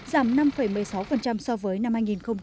giảm năm một mươi sáu so với năm hai nghìn một mươi bảy